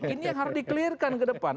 ini yang harus di clear kan ke depan